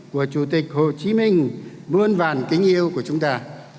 của chủ tịch hồ chí minh muôn vàn kính yêu của chúng ta